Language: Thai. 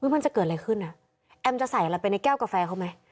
มันจะเกิดอะไรขึ้นอ่ะแอมจะใส่อะไรไปในแก้วกาแฟเขาไหม